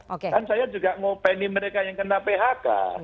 oke kan saya juga mau penny mereka yang kena phk